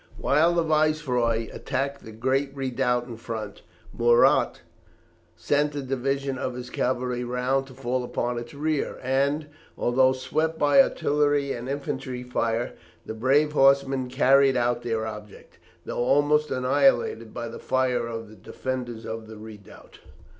While the Viceroy attacked the great redoubt in front, Murat sent a division of his cavalry round to fall upon its rear, and, although swept by artillery and infantry fire, the brave horsemen carried out their object, although almost annihilated by the fire of the defenders of the redoubt.